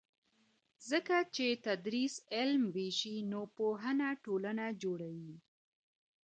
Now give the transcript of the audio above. ځکه چې تدریس علم وېشي نو پوهنه ټولنه جوړوي.